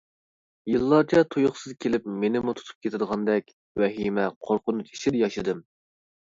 يىللارچە تۇيۇقسىز كېلىپ مېنىمۇ تۇتۇپ كېتىدىغاندەك ۋەھىمە قورقۇنچ ئىچىدە ياشىدىم.